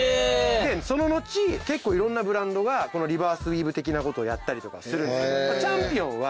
その後結構いろんなブランドがリバースウィーブ的なことをやったりとかするんですけどチャンピオンは。